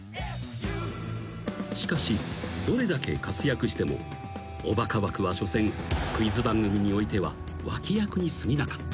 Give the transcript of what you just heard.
［しかしどれだけ活躍してもおバカ枠はしょせんクイズ番組においては脇役にすぎなかった］